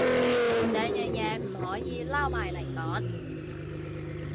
兩樣嘢唔可以撈埋嚟講